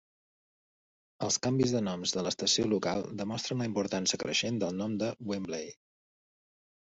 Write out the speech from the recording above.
Els canvis de noms de l'estació local demostren la importància creixent del nom de 'Wembley'.